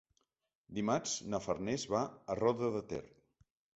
Dimarts na Farners va a Roda de Ter.